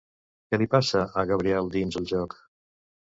Què li passa a Gabriel dins el joc?